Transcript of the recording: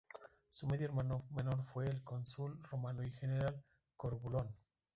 Su medio hermano menor fue el cónsul romano y general Corbulón.